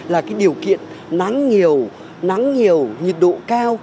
là cái điều kiện nắng nhiều nắng nhiều nhiệt độ cao